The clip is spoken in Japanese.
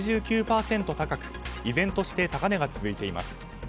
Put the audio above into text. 高く依然として高値が続いています。